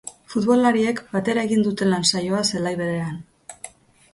Futbolariek batera egin dute lansaioa zelai berean.